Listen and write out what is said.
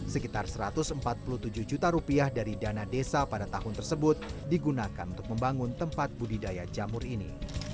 sekitar satu ratus empat puluh tujuh juta rupiah dari dana desa pada tahun tersebut digunakan untuk membangun tempat budidaya jamur ini